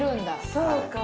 そうか。